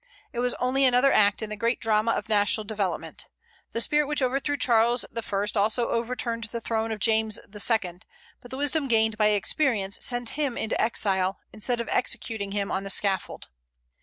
It was only another act in the great drama of national development. The spirit which overthrew Charles I. also overturned the throne of James II.; but the wisdom gained by experience sent him into exile, instead of executing him on the scaffold.